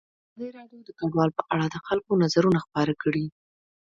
ازادي راډیو د کډوال په اړه د خلکو نظرونه خپاره کړي.